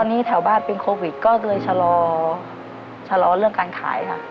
ตอนนี้แถวบ้านเป็นโควิดก็เลยชะลอชะลอเรื่องการขายค่ะ